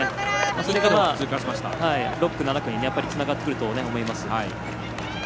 それが６区、７区につながってくると思います。